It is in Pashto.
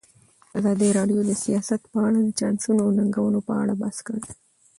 ازادي راډیو د سیاست په اړه د چانسونو او ننګونو په اړه بحث کړی.